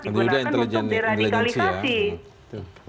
digunakan untuk deradikalisasi